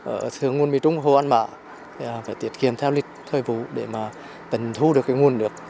ở thường nguồn mỹ trung hồ an mạ phải tiết kiệm theo lịch thời vụ để tình thu được nguồn nước